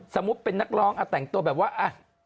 สมมุติเป็นนักร้องแต่งตัวแบบว่า